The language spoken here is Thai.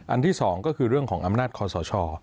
อันที่สองก็คือเรื่องของอำนาจของสช